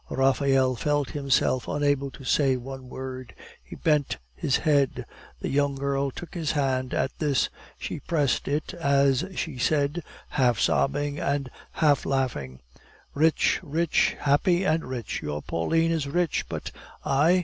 Raphael felt himself unable to say one word; he bent his head. The young girl took his hand at this; she pressed it as she said, half sobbing and half laughing: "Rich, rich, happy and rich! Your Pauline is rich. But I?